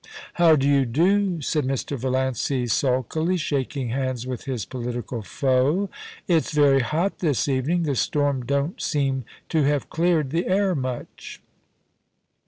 'How do you do?' said Mr. Valiancy sulkily, shaking hands with his political foe. * It's very hot this evening. The storm don't seem to have cleared the air much.'